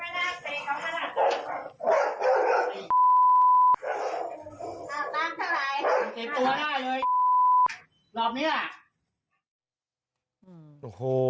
อาบน้ำเท่าไหร่